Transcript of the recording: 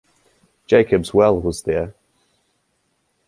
Jacob's well was there.